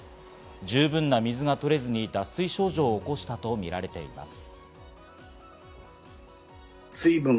十分な水が取れずに脱水症状を起こしたとみられています。